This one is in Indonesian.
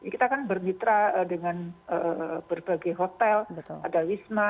kita kan bermitra dengan berbagai hotel ada wisma